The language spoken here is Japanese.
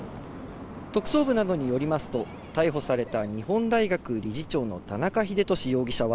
特捜部などによりますと、逮捕された日本大学理事長の田中英壽容疑者は、